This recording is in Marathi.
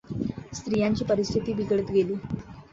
स्त्रियांची परिस्थिती बिघडत गेली.